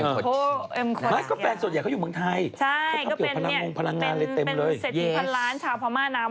เป็นสเศติพันล้านชาวภามาร์นำว่า